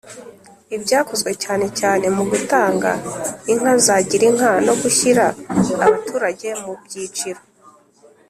ibyakozwe cyane cyane mu gutanga inka za Girinka no gushyira abaturage mu byiciro